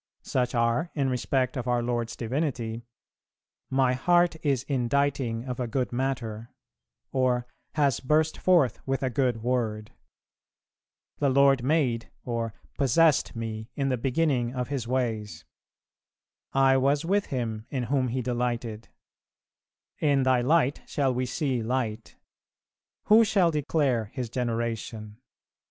Such are, in respect of our Lord's divinity, "My heart is inditing of a good matter," or "has burst forth with a good Word;" "The Lord made" or "possessed Me in the beginning of His ways;" "I was with Him, in whom He delighted;" "In Thy Light shall we see Light;" "Who shall declare His generation?"